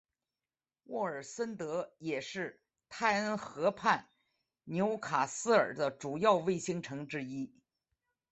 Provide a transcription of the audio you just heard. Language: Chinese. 沃尔森德也是泰恩河畔纽卡斯尔的主要卫星城之一。